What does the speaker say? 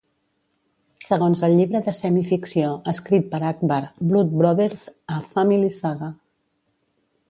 Segons el llibre de semi-ficció escrit per Akbar, "Blood Brothers. A Family Saga".